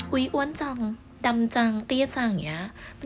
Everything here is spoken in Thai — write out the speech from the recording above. อ้วนจังดำจังเตี้ยจังอย่างนี้